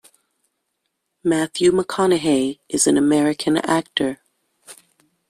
Matthew McConaughey is an American actor.